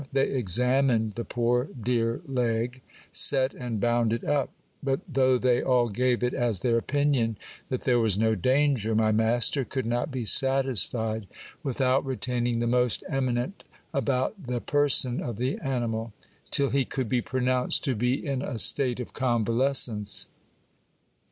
They examined the poor dear leg, set n and bound it up. But though they all gave it as their opinion that there was no danger, my master could not be satisfied without retaining the most eminent about the per son of the animal, till he could be pronounced to be in a state of convalescence.